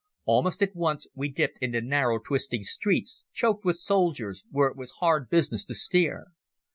Almost at once we dipped into narrow twisting streets, choked with soldiers, where it was hard business to steer.